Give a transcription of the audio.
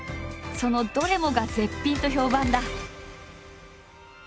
そのどれもが絶品と評判だ。